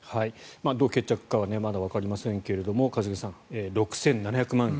どう決着かはまだわかりませんが一茂さん、６７００万円。